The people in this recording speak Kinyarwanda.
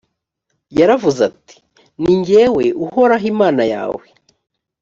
yaravuze ati«ni jyewe uhoraho imana yawe